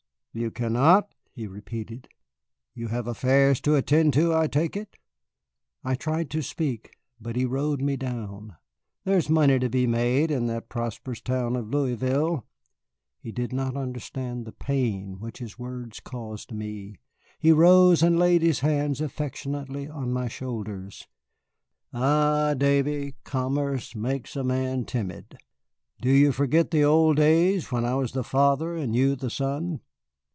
"You cannot?" he repeated; "you have affairs to attend to, I take it." I tried to speak, but he rode me down. "There is money to be made in that prosperous town of Louisville." He did not understand the pain which his words caused me. He rose and laid his hands affectionately on my shoulders. "Ah, Davy, commerce makes a man timid. Do you forget the old days when I was the father and you the son?